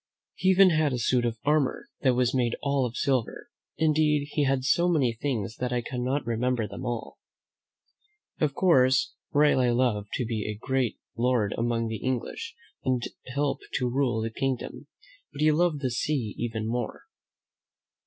He even had a suit of armor that was made all of silver. Indeed, he had so many things that I cannot remember them all. Of course, Raleigh loved to be a great lord among the English and help to rule the king dom, but he loved the sea even more.